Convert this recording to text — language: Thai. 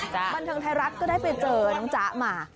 บันเทิงไทยรัฐก็ได้ไปเจอน้องจ๊ะมา